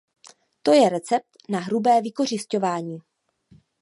To je recept na hrubé vykořisťování.